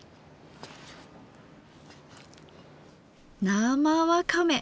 生わかめ！